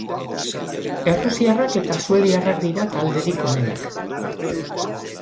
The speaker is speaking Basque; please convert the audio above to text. Errusiarrak eta suediarrak dira talderik onenak.